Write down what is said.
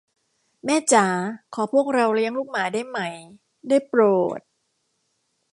แม่จ๋า ขอพวกเราเลี้ยงลูกหมาได้ไหม ได้โปรด ?